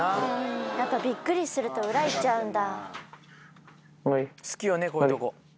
びっくりすると裏行っちゃうんだ。